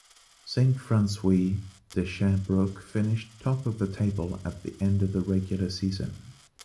Saint-François de Sherbrooke finished top of the table at the end of regular season.